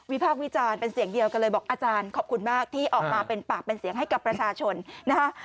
พากษ์วิจารณ์เป็นเสียงเดียวกันเลยบอกอาจารย์ขอบคุณมากที่ออกมาเป็นปากเป็นเสียงให้กับประชาชนนะคะ